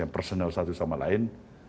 personal satu sama lain